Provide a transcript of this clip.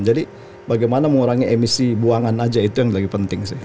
jadi bagaimana mengurangi emisi buangan aja itu yang lagi penting sih